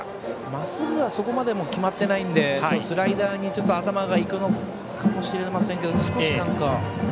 まっすぐはそこまで決まっていないのでスライダーに頭がいくのかもしれませんけど。